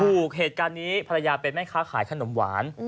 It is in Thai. เหตุการณ์นี้ภรรยาเป็นแม่ค้าขายขนมหวาน